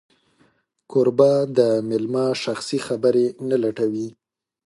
کوربه د مېلمه شخصي خبرې نه لټوي.